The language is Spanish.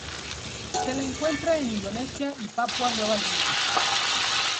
Se la encuentra en Indonesia y Papua Nueva Guinea.